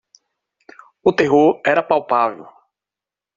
O terror era palpável.